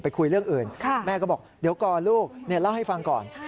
คุยเรื่องอื่นแม่ก็บอกเดี๋ยวก่อนลูกเล่าให้ฟังก่อน